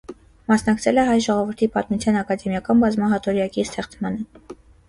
Մասնակցել է հայ ժողովրդի պատմության ակադեմիական բազմահատորյակի ստեղծմանը։